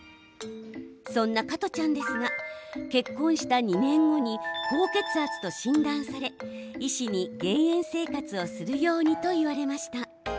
そんな加トちゃんですが結婚した２年後に高血圧と診断され医師に減塩生活をするようにと言われました。